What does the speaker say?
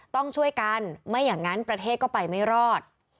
ต้องช่วยกันไม่อย่างนั้นประเทศก็ไปไม่รอด